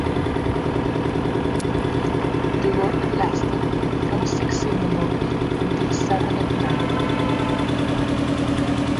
The work lasted from six in the morning until seven at night.